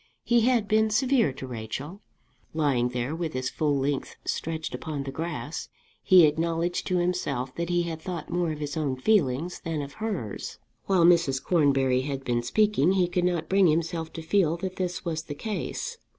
He had been severe to Rachel. Lying there, with his full length stretched upon the grass, he acknowledged to himself that he had thought more of his own feelings than of hers. While Mrs. Cornbury had been speaking he could not bring himself to feel that this was the case.